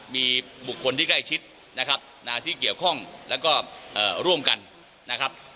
มีบุคคลที่ใกล้ชิดนะครับที่เกี่ยวข้องแล้วก็ร่วมกันนะครับ